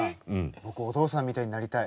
僕お父さんみたいになりたい。